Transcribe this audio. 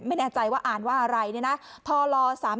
ไม่แน่ใจว่าอ่านว่าอะไรเนี่ยนะ